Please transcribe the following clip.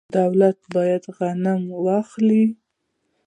دولت باید غنم واخلي.